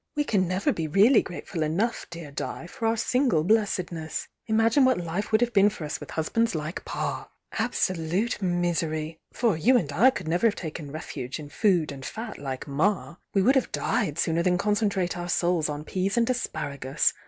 We can never be really grateful enough, dear Di, for our single blessedness! Imagine what life would have been for us with husbands like Pa! Absolute mis ery!— for you and I could never have taken refuge m food and fat like Ma! We would have died sooner than concentrate our souls on peas and as par^us!